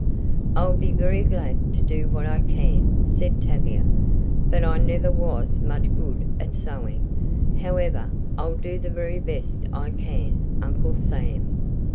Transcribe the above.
"I'll be very glad to do what I can," said Tavia, "but I never was much good at sewing. However, I'll do the very best I can, Uncle Sam."